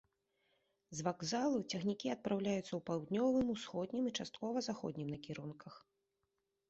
З вакзалу цягнікі адпраўляюцца ў паўднёвым, усходнім і часткова заходнім накірунках.